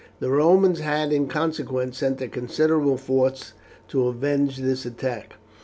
The Romans had in consequence sent a considerable force to avenge this attack.